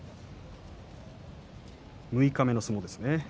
六日目の相撲ですね。